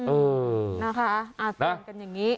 เออนะคะเตือนกันอย่างนี้